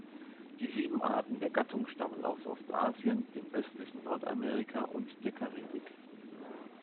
Die sieben Arten der Gattung stammen aus Ostasien, dem östlichen Nordamerika und der Karibik.